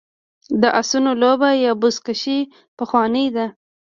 د اسونو لوبه یا بزکشي پخوانۍ ده